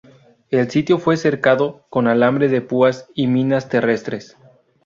El sitio fue cercado con alambre de púas y minas terrestres.